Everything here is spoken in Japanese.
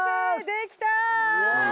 できたー！